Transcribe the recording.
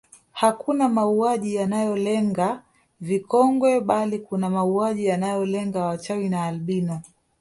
Hakuna mauaji yanayolenga vikongwe bali kuna mauaji yanayolenga wachawi na albino